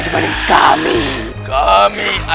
kami akan mengembalikan mereka